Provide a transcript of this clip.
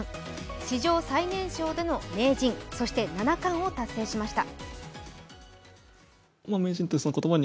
史上最年少での名人、そして七冠を達成しました。